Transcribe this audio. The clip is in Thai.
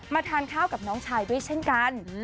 ทานข้าวกับน้องชายด้วยเช่นกัน